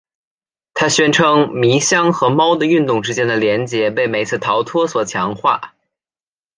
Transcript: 他宣称迷箱和猫的运动之间的联结被每次逃脱所强化。